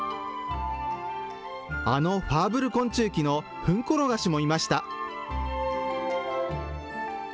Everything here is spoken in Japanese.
あのファーブル昆虫記のフンコロガシもいました。